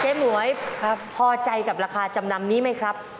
หมวยพอใจกับราคาจำนำนี้ไหมครับ